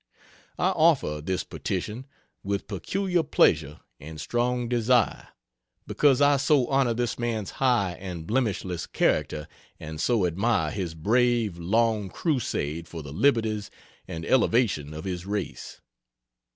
I offer this petition with peculiar pleasure and strong desire, because I so honor this man's high and blemishless character and so admire his brave, long crusade for the liberties and elevation of his race.